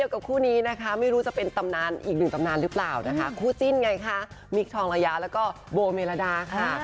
กับคู่นี้นะคะไม่รู้จะเป็นตำนานอีกหนึ่งตำนานหรือเปล่านะคะคู่จิ้นไงคะมิคทองระยะแล้วก็โบเมรดาค่ะ